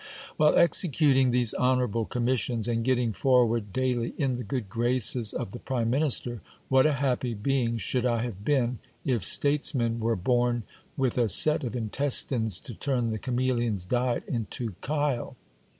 While executing these honourable commissions, and getting forward daily in the good graces of the prime minister, what a happy being should I have been, if statesmen were born with a set of intestines to turn the cameleon's diet into chyle